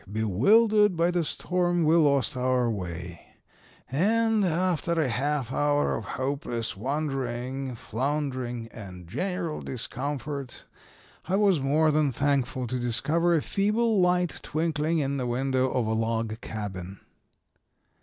Bewildered by the storm we lost our way, and after a half hour of hopeless wandering, floundering and general discomfort I was more than thankful to discover a feeble light twinkling in the window of a log cabin.